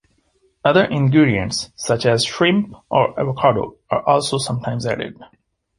Other ingredients, such as shrimp, or avocado, are also sometimes added.